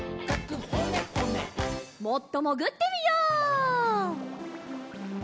もっともぐってみよう。